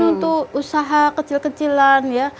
untuk usaha kecil kecilan